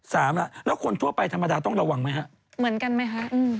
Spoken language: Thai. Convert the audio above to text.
สามแล้วแล้วคนทั่วไปธรรมดาต้องระวังไหมฮะเหมือนกันไหมฮะอืม